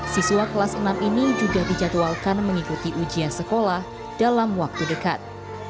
siswa kelas enam ini juga dijadwalkan mengikuti ujian sekolah dalam waktu dekat